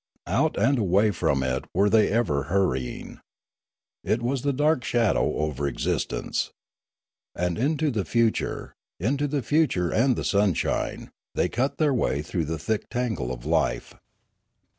Out and away from it were they ever hurrying. It was the dark shadow over existence. And into the future, into the future and the sunshine, they cut their way through the thick tangle of life.